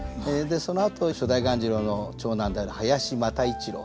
そのあと初代鴈治郎の長男である林又一郎